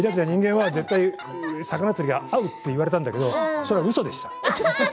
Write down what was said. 魚釣りが合うと言われたんだけどそれは、うそでした。